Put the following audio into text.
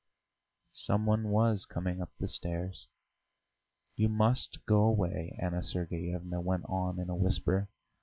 Some one was coming up the stairs. "You must go away," Anna Sergeyevna went on in a whisper.